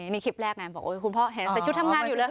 ในคลิปแรกแม่งบอกโอ้ยคุณพ่อเห็นใส่ชุดทำงานอยู่หรือ